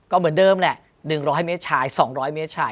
ก็เหมือนเดิมแหละ๑๐๐เมตรชาย๒๐๐เมตรชาย